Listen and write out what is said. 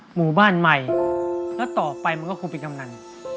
หมู่บ้านใหม่แล้วต่อไปมันก็คงเป็นกำนัน